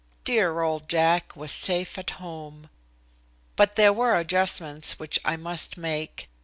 Dear old Jack was safe at home. But there were adjustments which I must make.